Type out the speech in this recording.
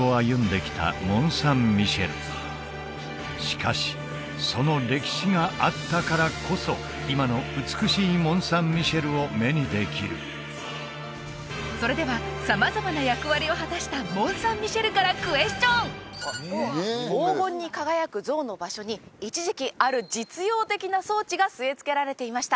しかしその歴史があったからこそ今の美しいモン・サン・ミシェルを目にできるそれでは様々な役割を果たしたモン・サン・ミシェルからクエスチョン黄金に輝く像の場所に一時期ある実用的な装置が据え付けられていました